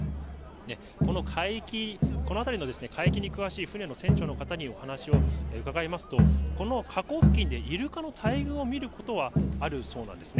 この海域、この辺りの海域に詳しい船の船長の方にお話を伺いますと、この河口付近でイルカの大群を見ることはあるそうなんですね。